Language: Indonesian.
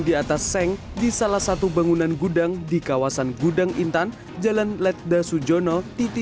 di atas seng di salah satu bangunan gudang di kawasan gudang intan jalan ledda sujono titi